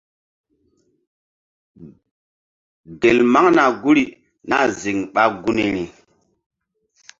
Gel maŋna guri nah ziŋ ɓa gunri.